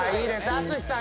淳さん！